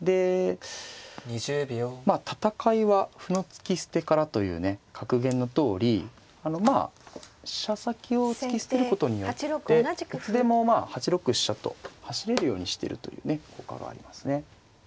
「戦いは歩の突き捨てから」というね格言のとおりあのまあ飛車先を突き捨てることによっていつでもまあ８六飛車と走れるようにしてるというね効果がありますね。